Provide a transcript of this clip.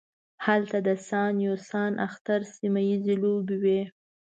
هلته د سان یو سان اختر سیمه ییزې لوبې وې.